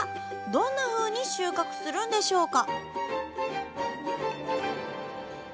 どんなふうに収穫するんでしょうか